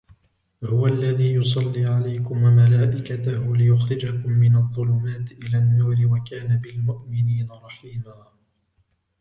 هُوَ الَّذِي يُصَلِّي عَلَيْكُمْ وَمَلَائِكَتُهُ لِيُخْرِجَكُمْ مِنَ الظُّلُمَاتِ إِلَى النُّورِ وَكَانَ بِالْمُؤْمِنِينَ رَحِيمًا